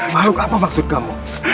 makhluk apa maksud kamu